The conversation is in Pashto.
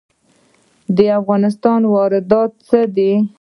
د افغانستان واردات څه دي؟